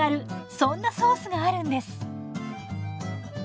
そんなソースがあるんです。